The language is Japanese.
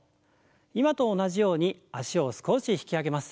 今と同じように脚を少し引き上げます。